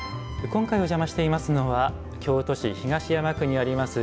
今回、お邪魔していますのは京都市東山区にあります